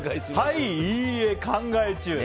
はい、いいえ、考え中。